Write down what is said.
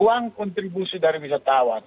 kuang kontribusi dari wisatawan